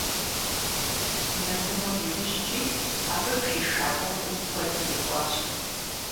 Нэгумэм иужькӀи абы пхиша гъуэгум куэд ирикӀуащ.